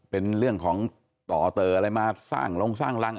เป็นเรื่องของต่อเตออะไรมาสร้างลงสร้างรัง